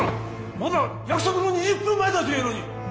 まだ約束の２０分前だというのに。